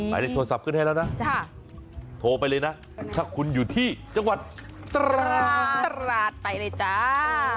หมายเลขโทรศัพท์ขึ้นให้แล้วนะโทรไปเลยนะถ้าคุณอยู่ที่จังหวัดตราดไปเลยจ้า